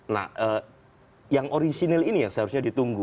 nah yang original ini yang seharusnya ditunggu